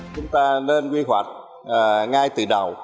chúng ta nên quy hoạch ngay từ đầu